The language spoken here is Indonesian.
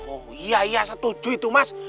oh iya iya setuju itu mas